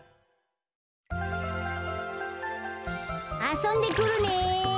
あそんでくるね。